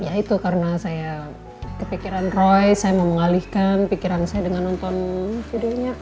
ya itu karena saya kepikiran roy saya mau mengalihkan pikiran saya dengan nonton videonya